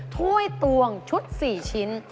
ถ้วยตวงชุด๔ชิ้น